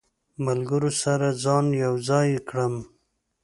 ملګرو سره ځان یو ځای کړم.